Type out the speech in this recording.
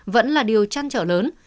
vẫn là điều chăn trở lớn